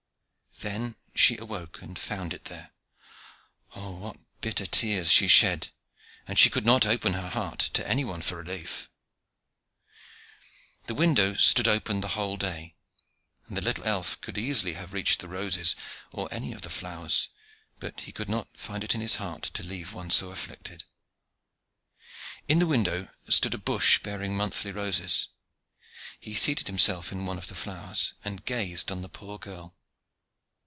Then she awoke, and found it there. Oh, what bitter tears she shed! and she could not open her heart to any one for relief. The window stood open the whole day, and the little elf could easily have reached the roses, or any of the flowers; but he could not find it in his heart to leave one so afflicted. In the window stood a bush bearing monthly roses. He seated himself in one of the flowers, and gazed on the poor girl.